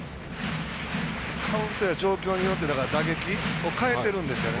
カウントや状況によって打撃を変えてるんですよね。